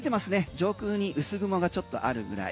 上空に薄雲がちょっとあるぐらい。